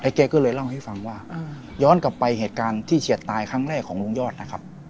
แกก็เลยเล่าให้ฟังว่าย้อนกลับไปเหตุการณ์ที่เฉียดตายครั้งแรกของลุงยอดนะครับ